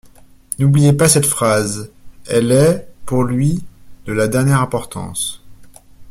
N’oubliez pas cette phrase ; elle est, pour lui, de la dernière importance.